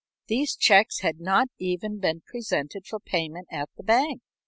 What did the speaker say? These checks had not even been presented for payment at the bank.